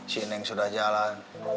si neng sudah jalan